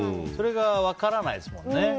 それが分からないですもんね。